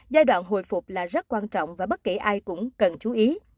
giai đoạn hồi phục là rất quan trọng và bất kể ai cũng cần chú ý